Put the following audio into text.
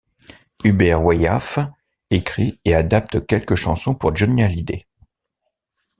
Hubert Wayaffe écrit et adapte quelques chansons pour Johnny Hallyday.